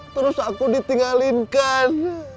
terus aku ditinggalinkan